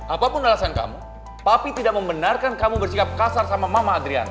apapun alasan kamu tapi tidak membenarkan kamu bersikap kasar sama mama adrian